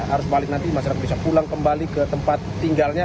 arus balik nanti masyarakat bisa pulang kembali ke tempat tinggalnya